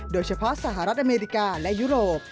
โดยเฉพาะสหรัฐอเมริกาและยุโรป